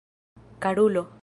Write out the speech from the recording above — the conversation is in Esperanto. karulo